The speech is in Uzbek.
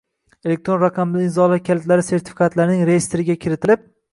elektron raqamli imzolar kalitlari sertifikatlarining reyestriga kiritilib